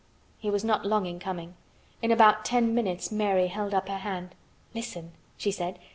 He was not long in coming. In about ten minutes Mary held up her hand. "Listen!" she said.